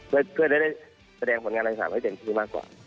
เพื่อได้แสดงผลงานในสถานที่จะเป็นชีวิตมากกว่า